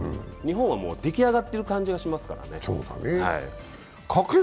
日本は出来上がっている感じがしますからね。